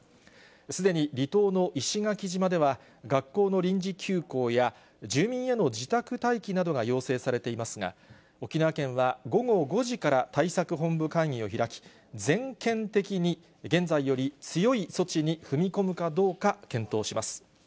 すでに離島の石垣島では、学校の臨時休校や、住民への自宅待機などが要請されていますが、沖縄県は午後５時から対策本部会議を開き、全県的に、現在より強い措置に踏み込むかどうか検討します。